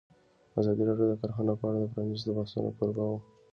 ازادي راډیو د کرهنه په اړه د پرانیستو بحثونو کوربه وه.